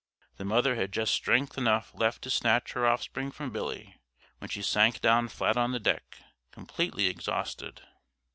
The mother had just strength enough left to snatch her offspring from Billy, when she sank down flat on the deck, completely exhausted.